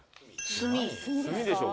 炭でしょ